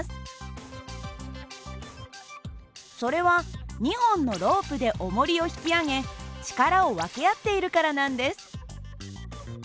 それは２本のロープでおもりを引き上げ力を分け合っているからなんです。